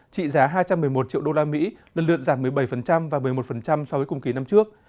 trị giá hai trăm một mươi một triệu usd lần lượt giảm một mươi bảy và một mươi một so với cùng kỳ năm trước